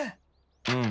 うん。